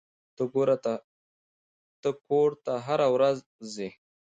ته کور ته هره ورځ ځې.